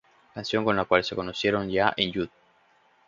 Canción con la cual se conocieron Nya y Jud.